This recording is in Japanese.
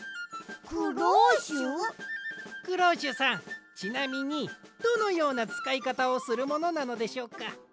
クローシュさんちなみにどのようなつかいかたをするものなのでしょうか？